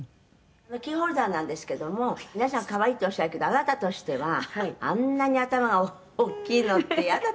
「このキーホルダーなんですけども皆さん可愛いっておっしゃるけどあなたとしてはあんなに頭が大きいのってイヤだと思ったんですって？」